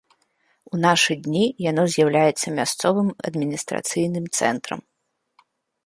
У нашы дні яно з'яўляецца мясцовым адміністрацыйным цэнтрам.